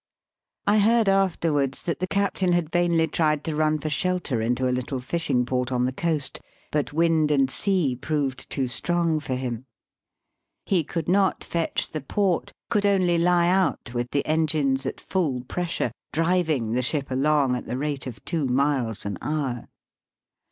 I heard afterwards that the captain had vainly Digitized by VjOOQIC BY SEA AND LAND TO KIOTO. 47 tried to run for shelter into a Kttle fishing port on the coast, but wind and sea proved too strong for him. He could not fetch the port, could only lie out with the engines at full pressure, driving the ship along at the rate of two miles an hour.